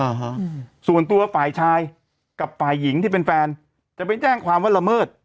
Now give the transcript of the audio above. ฮะส่วนตัวฝ่ายชายกับฝ่ายหญิงที่เป็นแฟนจะไปแจ้งความว่าละเมิด